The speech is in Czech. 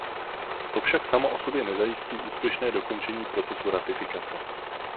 To však samo o sobě nezajistí úspěšné dokončení procesu ratifikace.